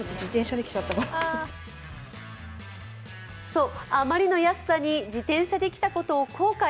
そう、あまりの安さに自転車で来たことを後悔。